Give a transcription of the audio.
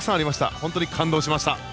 本当に感動しました。